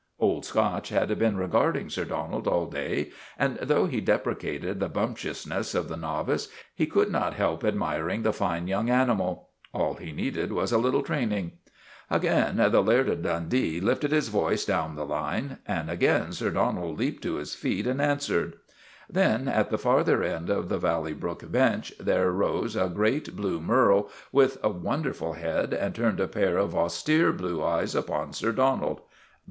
Old Scotch had been regarding Sir Donald all day, and though he deprecated the bumptiousness of the novice, he could not help admiring the fine young animal. All he needed was a little train ing. Again the Laird o' Dundee lifted his voice down the line, and again Sir Donald leaped to his feet and 102 JUSTICE AT VALLEY BROOK answered. Then, at the farther end of the Valley Brook bench, there rose a great blue merle, with a wonderful head, and turned a pair of austere blue eyes upon Sir Donald.